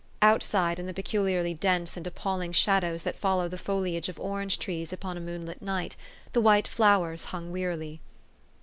Outside, in the peculiarly dense and appalling shadows that follow the foliage of orange trees upon a moonlit night, the white flowers hung wearily.